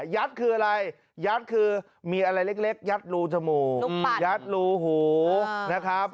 ยัดคืออะไรยัดคือมีอะไรเล็กหลูชมูห์รูหูหูหลูหุทัด